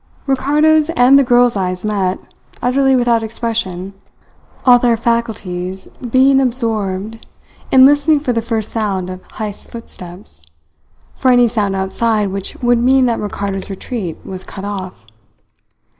Ricardo's and the girl's eyes met, utterly without expression, all their faculties being absorbed in listening for the first sound of Heyst's footsteps, for any sound outside which would mean that Ricardo's retreat was cut off.